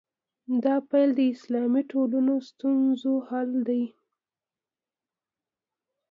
دا پیل د اسلامي ټولنو ستونزو حل دی.